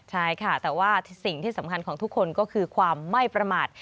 ใช่ค่ะแต่ว่าสิ่งที่สำคัญของทุกคนก็คือความไม่ประมาท